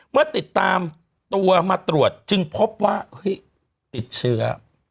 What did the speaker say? เมื่อติดตามตัวมาตรวจจึงพบว่าเฮ้ยติดเชื้อ